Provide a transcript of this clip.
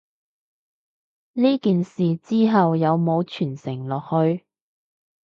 呢件事之後有無承傳落去？